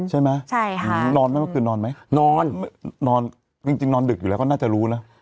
ใช่ไหมใช่ค่ะนอนไหมเมื่อคืนนอนไหมนอนนอนจริงนอนดึกอยู่แล้วก็น่าจะรู้นะ